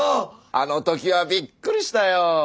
あのときはびっくりしたよ。